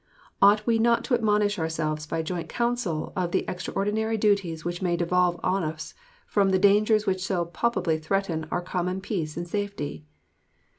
Ought we not to admonish ourselves by joint council of the extraordinary duties which may devolve upon us from the dangers which so palpably threaten our common peace and safety?